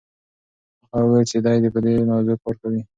هغه وویل چې دی په دې موضوع کار کوي.